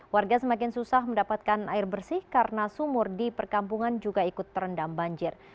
warga semakin susah mendapatkan air bersih karena sumur di perkampungan juga ikut terendam banjir